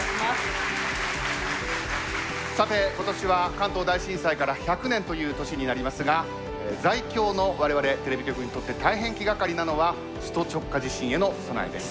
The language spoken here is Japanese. さて今年は関東大震災から１００年という年になりますが在京の我々テレビ局にとって大変気がかりなのは首都直下地震への備えです。